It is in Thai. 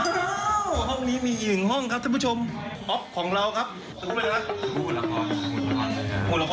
สวัสดีครับอยากไปดูห้องคุณเทวินกับคุณก๊อฟ